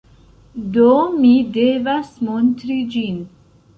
Do, mi devas montri ĝin.